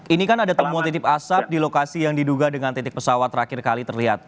ini kan ada temuan titik asap di lokasi yang diduga dengan titik pesawat terakhir kali terlihat